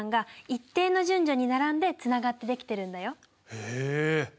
へえ。